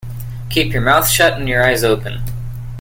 Keep your mouth shut and your eyes open.